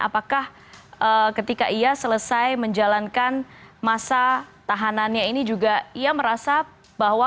apakah ketika ia selesai menjalankan masa tahanannya ini juga ia merasa bahwa